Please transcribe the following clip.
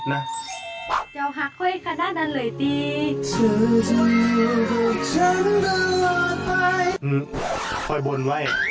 ค่อยบนไว้